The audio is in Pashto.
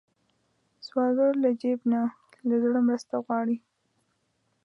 سوالګر له جیب نه، له زړه مرسته غواړي